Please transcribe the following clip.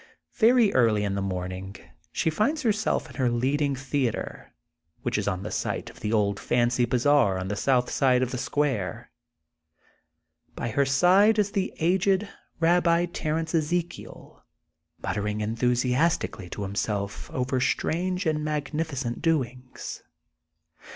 Very early in the morning she finds herself in her leading theatre which is on the site of the Old Fancy Bazar on the South side of the Square ; by her side is the aged Eabbi Terence Ezekiel mut tering enthusiastically to himself over strange and magnificent doings.